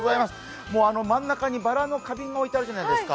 真ん中にばらの花瓶が置いてあるじゃないですか。